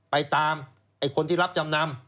ไปตามคนที่รับจำนำ